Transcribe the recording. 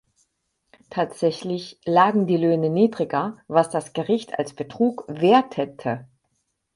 Tatsächlich lagen die Löhne niedriger, was das Gericht als Betrug wertete.